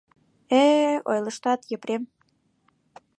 — Э-э, ойлыштат, Епрем...